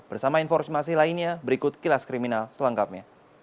bersama informasi lainnya berikut kilas kriminal selengkapnya